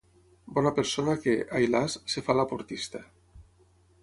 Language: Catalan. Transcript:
Bona persona que, ai las, es fa laportista.